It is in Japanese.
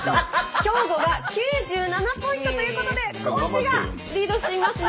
兵庫が９７ポイントということで高知がリードしていますね。